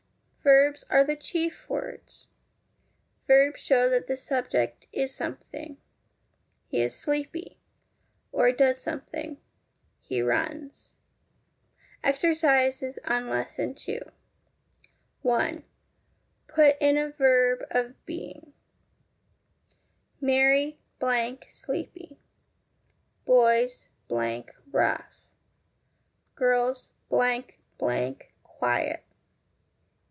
Verbs are the chief words. Verbs show that the subject is something He is sleepy ; or does something He runs. Exercises on Lesson II i. Put in a verb of being: Mary sleepy. Boys rough. Girls quiet.